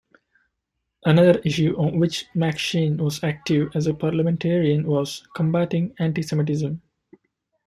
Another issue on which MacShane was active as a parliamentarian was combating antisemitism.